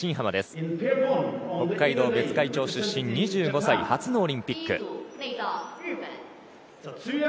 北海道別海町出身の２５歳初のオリンピック。